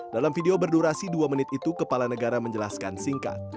dalam video berdurasi dua menit itu kepala negara menjelaskan singkat